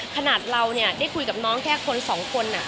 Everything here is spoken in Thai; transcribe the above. ขนาดเราเนี่ยได้คุยกับน้องแค่คน๒คน